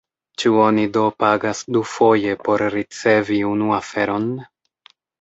Ĉu oni do pagas dufoje por ricevi unu aferon?